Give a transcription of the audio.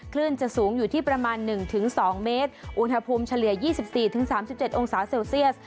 คลื่นจะสูงอยู่ที่ประมาณ๑๒เมตรอุณหภูมิเฉลี่ย๒๔๓๗องศาเซลเซียส